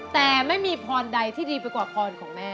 แต่ไม่มีพรใดที่ดีไปกว่าพรของแม่